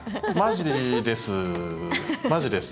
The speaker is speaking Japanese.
マジです。